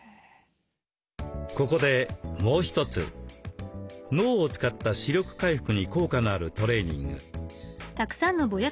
ここでもう一つ脳を使った視力回復に効果のあるトレーニング。